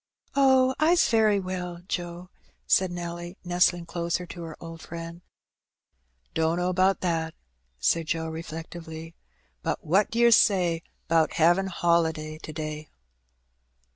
"Oh, I's very well, Joe," said Nelly, nestling closer to her old friend. "Dunno 'bout that," said Joe, reflectively; "but what d'yer say 'bout havin' holiday to day?"